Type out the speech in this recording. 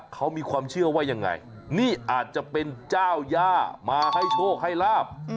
เขามีความเชื่อว่ายังไงนี่อาจจะเป็นเจ้าย่ามาให้โชคให้ลาบ